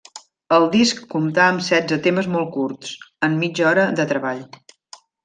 El disc comptà amb setze temes molt curts, en mitja hora de treball.